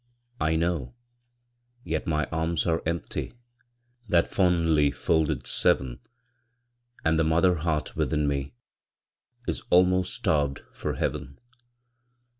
I know, yet my arms are empty, That fondly folded seven, And the mother heart within me Is almost starved for heaven.